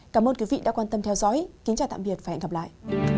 cảm ơn quý vị đã quan tâm theo dõi kính chào tạm biệt và hẹn gặp lại